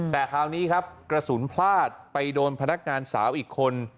แต่คราวนี้ครับกระสุนพลาดไปโดนพนักงานสาวอีกคน